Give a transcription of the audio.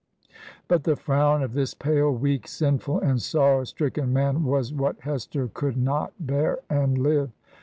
But the frown of this pale, weak, sinful, and sorrow stricken man was what Hester could not bear and live!